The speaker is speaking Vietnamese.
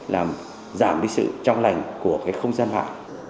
làm giảm đi sự trong lành của cái không gian mạng